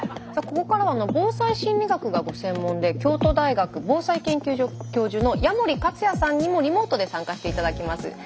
さあここからは防災心理学がご専門で京都大学防災研究所教授の矢守克也さんにもリモートで参加して頂きます。